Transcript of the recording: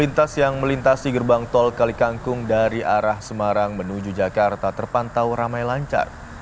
lintas yang melintasi gerbang tol kalikangkung dari arah semarang menuju jakarta terpantau ramai lancar